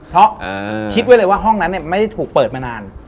เพราะคิดไว้เลยว่าห้องนั้นไม่ได้ถูกเปิดมานาน